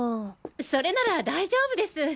それなら大丈夫です！